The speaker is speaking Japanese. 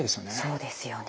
そうですよね。